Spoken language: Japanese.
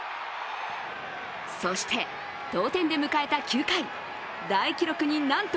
そして同点で迎えた９回、大記録になんと